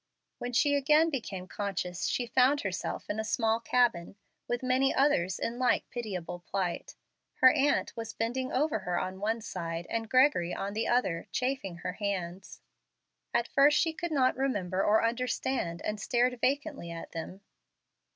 When she again became conscious she found herself in a small cabin, with many others in like pitiable plight. Her aunt was bending over her on one side and Gregory on the other, chafing her hands. At first she could not remember or understand, and stared vacantly at them.